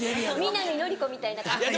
南のり子みたいな感じで？